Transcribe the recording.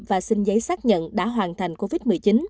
và xin giấy xác nhận đã hoàn thành covid một mươi chín